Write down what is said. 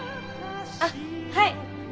あっはい。